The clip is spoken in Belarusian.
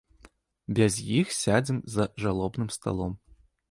Без іх сядзем за жалобным сталом.